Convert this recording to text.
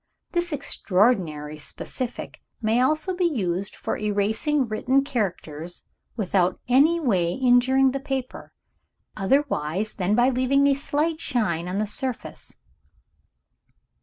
This extraordinary specific may also be used for erasing written characters without in any way injuring the paper, otherwise than by leaving a slight shine on the surface."